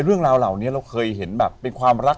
เรื่องราวเหล่านี้เราเคยเห็นแบบเป็นความรัก